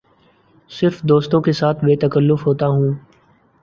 صرف دوستوں کے ساتھ بے تکلف ہوتا ہوں